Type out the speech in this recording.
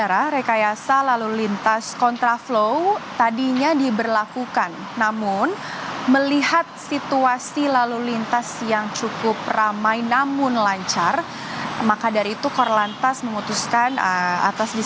rekayasa lalu lintas kontravalu mulai dari